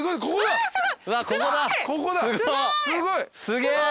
すげえ！